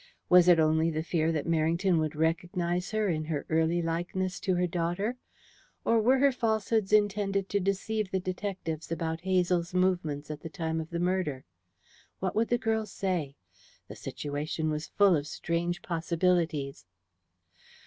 Was it only the fear that Merrington would recognize her in her early likeness to her daughter, or were her falsehoods intended to deceive the detectives about Hazel's movements at the time of the murder? What would the girl say? The situation was full of strange possibilities.